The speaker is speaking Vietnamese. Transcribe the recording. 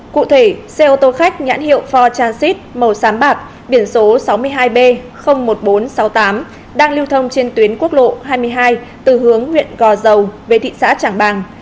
cụ thể xe ô tô khách nhãn hiệu for transit màu sám bạc biển số sáu mươi hai b một nghìn bốn trăm sáu mươi tám đang lưu thông trên tuyến quốc lộ hai mươi hai từ hướng huyện gò dầu về thị xã trảng bàng